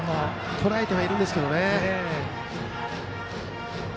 とらえてはいますけどね。